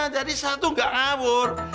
jadi satu nggak ngabur